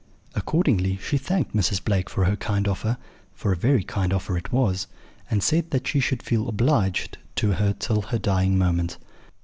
Accordingly she thanked Mrs. Blake for her kind offer for a very kind offer it was and said that she should feel obliged to her till her dying moment.